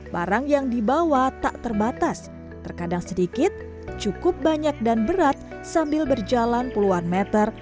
barang yang dibawa tak terbatas terkadang sedikit cukup banyak dan berat sambil berjalan puluhan meter